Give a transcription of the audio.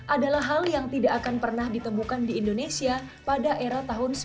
adalah hal yang tidak akan pernah ditemukan di indonesia pada era tahun seribu sembilan ratus sembilan puluh